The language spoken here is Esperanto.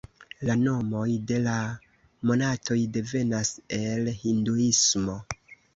La nomoj de la monatoj devenas el Hinduismo.